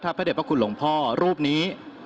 เจ้าเด็ดพระคุณหลงพ่อรูปนี้